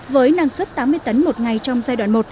với năng suất tám mươi tấn một ngày trong giai đoạn một